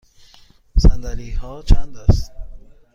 صندلی ها چند است؟